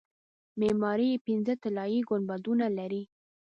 معماري یې پنځه طلایي ګنبدونه لري.